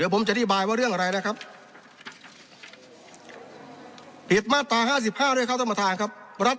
ผิดมาตรา๕๕ด้วยครับ